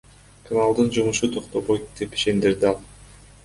Каналдын жумушу токтобойт, — деп ишендирди ал.